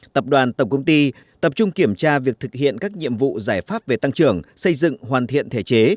tập đoàn tổng công ty tập trung kiểm tra việc thực hiện các nhiệm vụ giải pháp về tăng trưởng xây dựng hoàn thiện thể chế